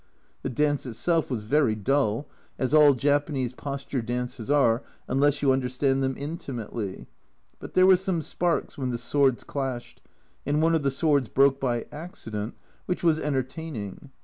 The dance itself was very dull, as all Japanese posture dances are unless you under stand them intimately, but there were some sparks when the swords clashed, and one of the swords broke by accident, which was entertaining.